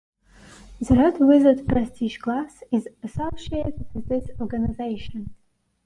The Red Wizard prestige class is associated with this organization.